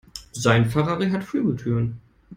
Sein Ferrari hat Flügeltüren.